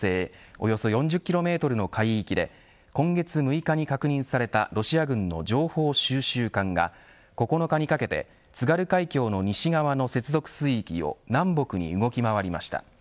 およそ４０キロメートルの海域で今月６日に確認されたロシア軍の情報収集艦が９日にかけて津軽海峡の西側の接続水域を南北に動き回りました。